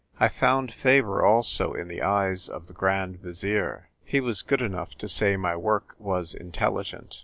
I found favour, also, in the eyes of the Grand Vizier ; he was good enough to say my work was intelligent.